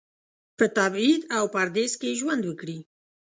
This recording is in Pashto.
په تبعید او پردیس کې ژوند وکړي.